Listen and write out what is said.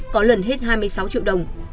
có lần hết hai mươi sáu triệu đồng